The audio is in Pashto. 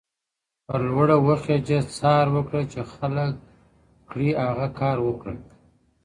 ¬ پر لوړه وخېژه، څار وکړه، چي خلگ کړي هغه کار وکړه.